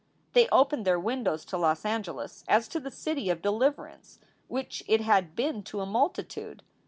They opened their windows to Los Angeles as to the city of deliverance which it had been to a multitude.